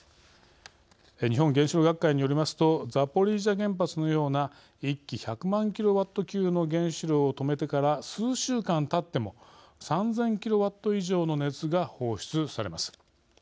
日本原子力学会によりますとザポリージャ原発のような１基１００万ｋＷ級の原子炉を止めてから数週間たっても３０００ｋＷ以上の熱が放出されます。